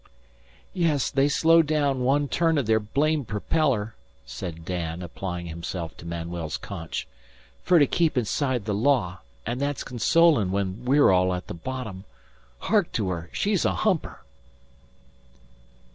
"Yes, they slow daown one turn o' their blame propeller," said Dan, applying himself to Manuel's conch, "fer to keep inside the law, an' that's consolin' when we're all at the bottom. Hark to her! She's a humper!"